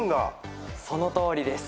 そのとおりです。